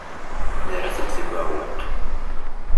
Nerra-tent deg uɛewwiq.